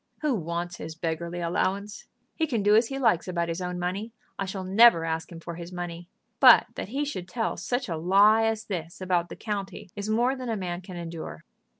Who wants his beggarly allowance! He can do as he likes about his own money. I shall never ask him for his money. But that he should tell such a lie as this about the county is more than a man can endure."